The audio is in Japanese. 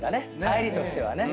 入りとしてはね。